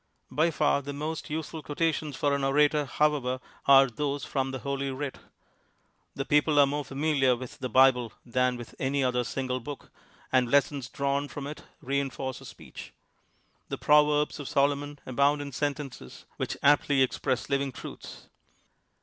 By far the most useful quotations for an orator, however, are those from Holy Writ. The people are more familiar with the Bible than vrith any other single book, and lessons di"awn from it reinforce a speech. The Proverbs of Solomon abound in sentences which aptly express living truths.